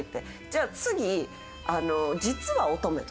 じゃあ次。